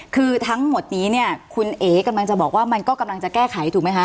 คือทั้งหมดนี้เนี่ยคุณเอ๋กำลังจะบอกว่ามันก็กำลังจะแก้ไขถูกไหมคะ